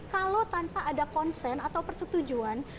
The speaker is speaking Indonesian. kalau tanpa ada konsen atau persetujuan